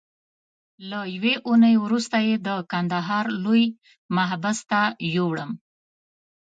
له یوې اونۍ وروسته یې د کندهار لوی محبس ته یووړم.